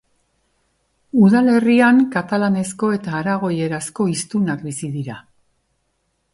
Udalerrian katalanezko eta aragoierazko hiztunak bizi dira.